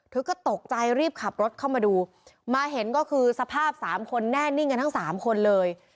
เธอก็ตกใจรีบขับรถเข้ามาดูมาเห็นก็คือสภาพสามคนแน่นิ่งกันทั้งสามคนเลย